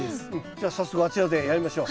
じゃあ早速あちらでやりましょう。